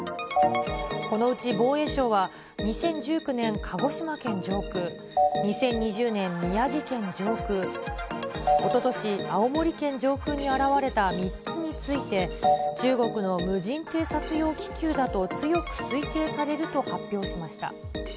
このうち防衛省は、２０１９年、鹿児島県上空、２０２０年、宮城県上空、おととし、青森県上空に現れた３つについて、中国の無人偵察用気球だと強く推定されると発表しました。